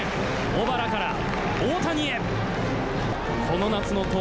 小原から大谷へ。